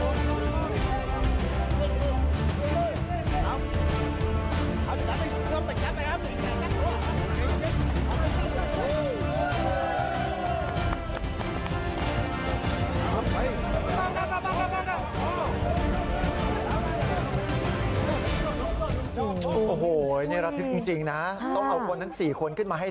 โอ้โหนี่เราคิดจริงนะ